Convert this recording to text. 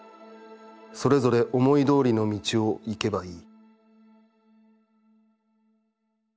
それぞれ思い通りの道を行けばいい」。